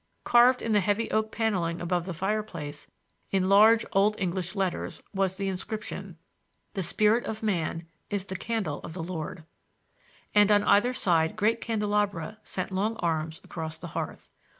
Carved in the heavy oak paneling above the fireplace, in large Old English letters, was the inscription: The Spirit of Man is the Candle of the Lord and on either side great candelabra sent long arms across the hearth.